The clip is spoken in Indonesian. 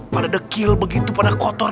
pada dekil begitu pada kotor